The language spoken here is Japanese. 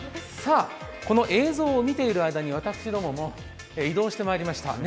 この映像を見ている間に私どもも移動してまいりました。